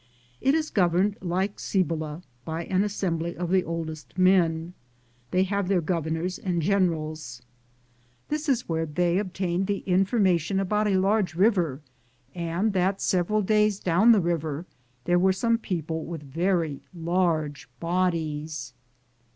It is governed like Cibola, by an assembly of the oldest men. They have their gover nors and generals. This was where they obtained the information about a large river, and that several days down the river there were some people with very large bodies.